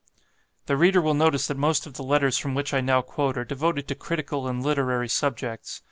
The reader will notice that most of the letters from which I now quote are devoted to critical and literary subjects.